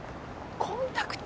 コンタクト？